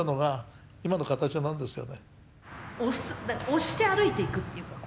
押して歩いていくっていうか。